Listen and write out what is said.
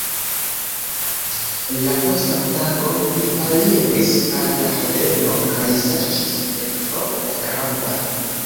La postan tagon mi aliris al la haveno kaj serĉis "Petro la Granda".